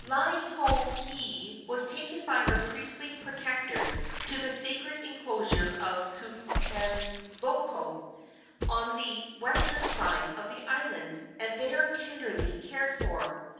Laielohelohe was taken by her priestly protector to the sacred enclosure of Kukaniloko, on the western side of the island, and there tenderly cared for.